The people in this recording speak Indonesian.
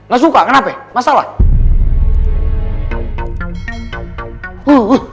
gak suka kenapa ya masalah